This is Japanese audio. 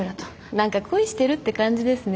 何か恋してるって感じですね。